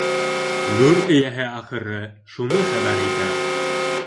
«Гүр эйәһе ахыры, шуны хәбәр итә!»